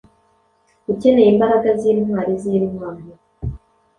Ukeneye imbaraga zintwari zintwari